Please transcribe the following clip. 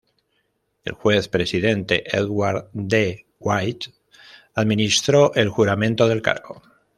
El Juez presidente, Edward D. White, administró el juramento del cargo.